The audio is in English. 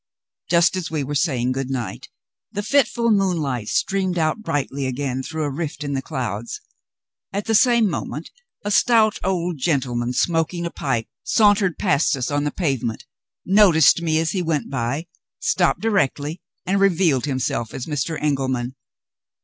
Just as we were saying good night, the fitful moonlight streamed out brightly again through a rift in the clouds. At the same moment a stout old gentleman, smoking a pipe, sauntered past us on the pavement, noticed me as he went by, stopped directly, and revealed himself as Mr. Engelman.